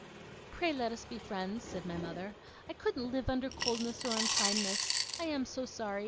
'Pray let us be friends,' said my mother, 'I couldn't live under coldness or unkindness. I am so sorry.